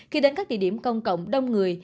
khi đến các địa điểm công cộng đông người